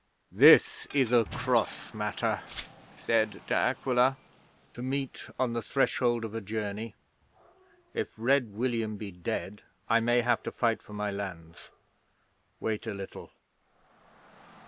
"This is a cross matter," said De Aquila, "to meet on the threshold of a journey. If Red William be dead I may have to fight for my lands. Wait a little."